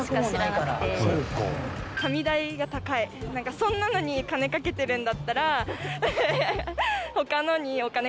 そんなのに金かけてるんだったら。